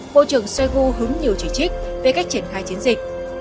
bộ trưởng shoigu hứng nhiều chỉ trích về cách triển khai chiến dịch